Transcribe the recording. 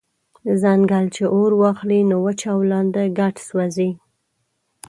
« ځنګل چی اور واخلی نو وچ او لانده ګډ سوځوي»